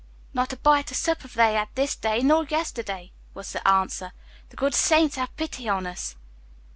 "Not a bite or sup have they had this day, nor yesterday," was the answer, "The good Saints have pity on us."